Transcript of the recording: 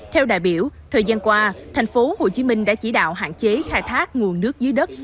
theo đại biểu thời gian qua tp hcm đã chỉ đạo hạn chế khai thác nguồn nước dưới đất